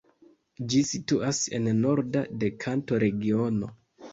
Ĝi situas en norda de Kanto-regiono.